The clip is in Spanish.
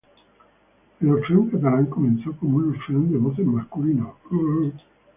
El Orfeón Catalán comenzó como un orfeón de voces masculinas.